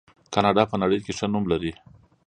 کاناډا په نړۍ کې ښه نوم لري.